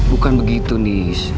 bukan begitu nis